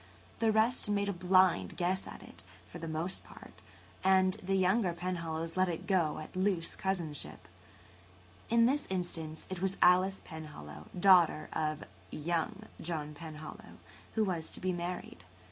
The rest made a blind guess at it, for the most part, and the younger Penhallows let it go at loose cousinship. In this instance it was Alice Penhallow, daughter of "young" John Penhallow, who was to be [Page 136] married.